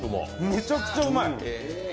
めちゃくちゃうまい。